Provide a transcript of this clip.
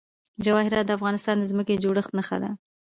جواهرات د افغانستان د ځمکې د جوړښت نښه ده.